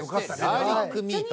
ガーリックミート。